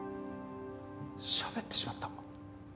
しゃべってしまった。